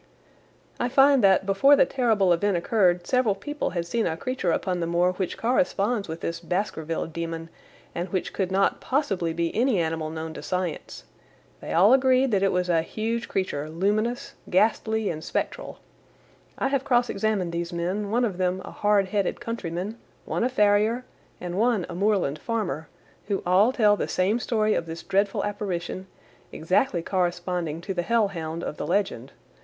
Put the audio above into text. "I find that before the terrible event occurred several people had seen a creature upon the moor which corresponds with this Baskerville demon, and which could not possibly be any animal known to science. They all agreed that it was a huge creature, luminous, ghastly, and spectral. I have cross examined these men, one of them a hard headed countryman, one a farrier, and one a moorland farmer, who all tell the same story of this dreadful apparition, exactly corresponding to the hell hound of the legend.